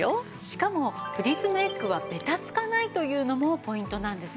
しかもプリズムエッグはベタつかないというのもポイントなんですよね。